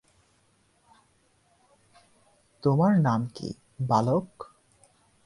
তোমার নাম কি, বালক?